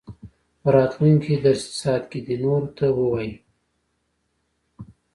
په راتلونکي درسي ساعت کې دې نورو ته ووايي.